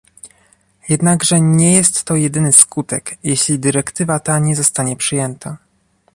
Jednakże nie jest to jedyny skutek, jeśli dyrektywa ta nie zostanie przyjęta